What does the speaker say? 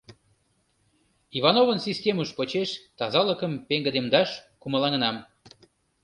Ивановын системыж почеш тазалыкым пеҥгыдемдаш кумылаҥынам».